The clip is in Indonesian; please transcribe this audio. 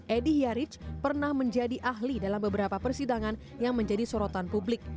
edy hyaric pernah menjadi ahli dalam beberapa persidangan yang menjadi sorotan publik